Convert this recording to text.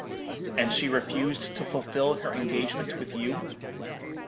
"'And she refused to fulfil her engagement with you?'